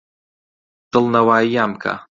دڵنەوایییان بکە.